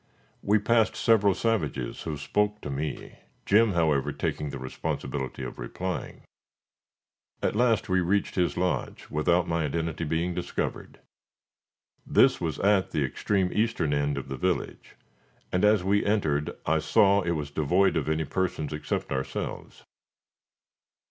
We passed several savages who spoke to me, Jim however taking the responsibility of replying. At last we reached his lodge without my identity being discovered. This was at the extreme eastern end of the village, and as we entered I saw it was devoid of any persons except ourselves.